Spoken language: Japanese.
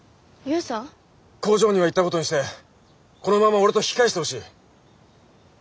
工場には行ったことにしてこのまま俺と引き返してほしい。